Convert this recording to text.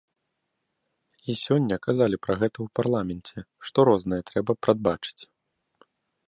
І сёння казалі пра гэта ў парламенце, што рознае трэба прадбачыць.